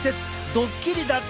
ドッキリだったんです！